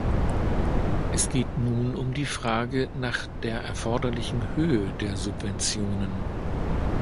Es geht nun um die Frage nach der erforderlichen Höhe der Subventionen.